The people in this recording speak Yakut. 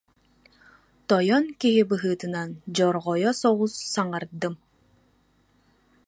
«тойон» киһи быһыытынан, дьорҕойо соҕус саҥардым